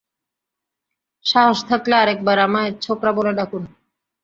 সাহস থাকলে আরেকবার আমায় ছোকরা বলে ডাকুন।